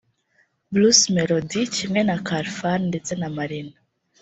Bruce Melody kimwe na Khalfan ndetse na Marina